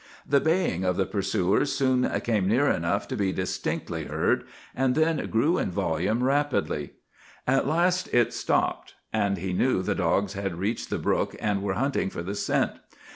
"The baying of the pursuers soon came near enough to be distinctly heard, and then grew in volume rapidly. At last it stopped; and he knew the dogs had reached the brook, and were hunting for the scent.